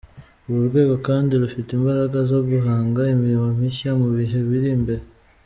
Uru rwego kandi rufite imbaraga zo guhanga imirimo mishya mu bihe biri imbere.